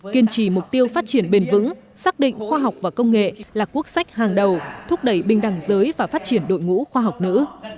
kiên trì mục tiêu phát triển bền vững xác định khoa học và công nghệ là quốc sách hàng đầu thúc đẩy bình đẳng giới và phát triển đội ngũ khoa học nữ